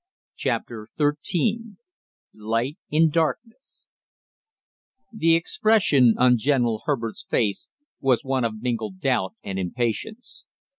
CHAPTER THIRTEEN LIGHT IN DARKNESS The expression on General Herbert's face was one of mingled doubt and impatience.